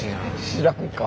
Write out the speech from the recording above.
知らんか。